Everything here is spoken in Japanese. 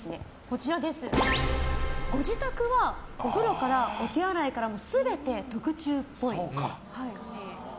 ご自宅はお風呂からお手洗いから全て特注っぽい。